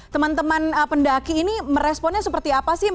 teman teman pendaki ini meresponnya seperti apa sih